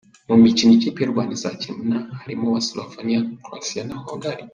Mu mikino ikipe y’u Rwanda izakina harimo uwa Slovenia, Croatia na Hongiria.